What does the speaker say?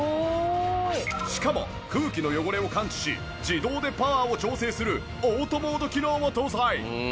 しかも空気の汚れを感知し自動でパワーを調整するオートモード機能も搭載。